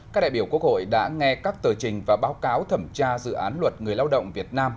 các đại biểu quốc hội đã nghe các tờ trình và báo cáo thẩm tra dự án luật người lao động việt nam